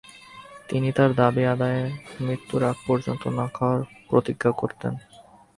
তিনি তার দাবি আদায়ে মৃত্যুর আগ পর্যন্ত না খাওয়ার প্রতিজ্ঞা করতেন।